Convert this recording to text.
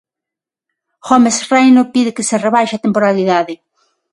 Gómez Reino pide que se rebaixe a temporalidade.